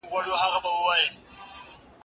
د هر چا د کار طریقه بېله وي.